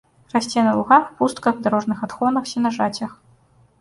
Расце на лугах, пустках, дарожных адхонах, сенажацях.